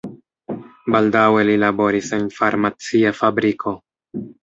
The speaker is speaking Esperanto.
Baldaŭe li laboris en farmacia fabriko.